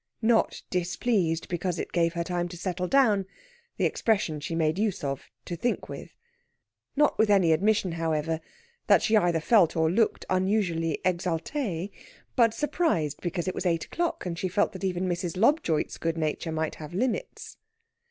Not displeased, because it gave her time to settle down the expression she made use of, to think with; not with any admission, however, that she either felt or looked unusually exaltée but surprised, because it was eight o'clock, and she felt that even Mrs. Lobjoit's good nature might have limits.